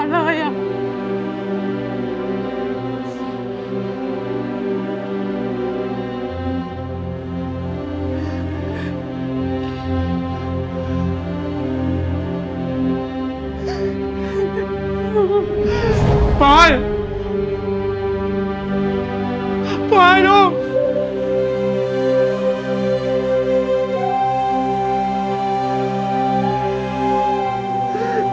แต่พ่อทำให้หนูรู้สึกแบบนั้นมาตลอดเลย